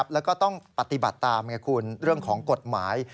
แล้วก็ต้องปฏิบัติตามไงคุณเรื่องของกฎหมาย